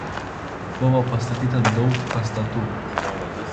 Buvo pastatyta daug pastatų.